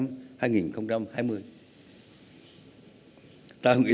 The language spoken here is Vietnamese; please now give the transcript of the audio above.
tại hội nghị lần này chúng ta sẽ trao đổi